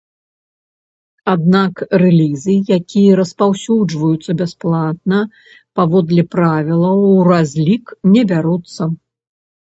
Аднак рэлізы, якія распаўсюджваюцца бясплатна, паводле правілаў у разлік не бяруцца.